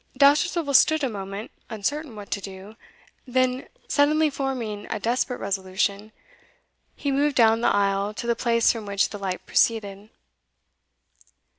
Dousterswivel stood a moment uncertain what to do; then, suddenly forming a desperate resolution, he moved down the aisle to the place from which the light proceeded.